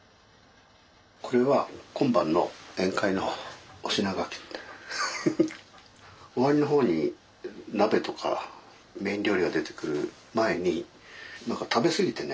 これは終わりの方に鍋とか麺料理が出てくる前になんか食べ過ぎてね